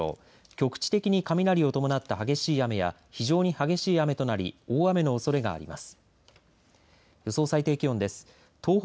局地的に雷を伴った激しい雨や非常に激しい雨となり大雨のおそれがあります。